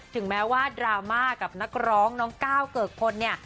ถึงแม้ว่าดราม่ากับนักร้องน้องก้าวเกิกพลเนี่ย